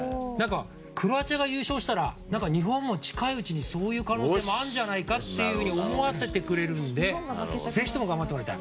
クロアチアが優勝したら日本も近いうちにそういう可能性もあるんじゃないかっていうふうに思わせてくれるんでぜひとも頑張ってもらいたい。